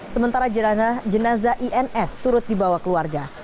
sementara jenazah ins turut dibawa keluarga